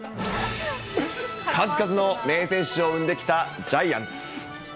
数々の名選手を生んできたジャイアンツ。